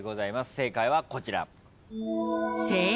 正解はこちら。